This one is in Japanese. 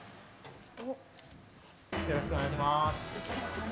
よろしくお願いします。